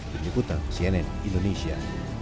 dinyukuta cnn indonesia